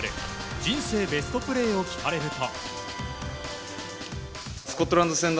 人生ベストプレーを聞かれると。